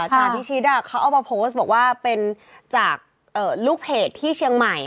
พิชิตเขาเอามาโพสต์บอกว่าเป็นจากลูกเพจที่เชียงใหม่